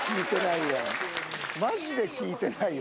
まじで聞いてないよ。